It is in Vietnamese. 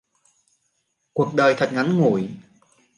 cuộc đời thật ngắn ngủi